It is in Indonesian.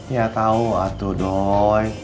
ya tahu atuh doi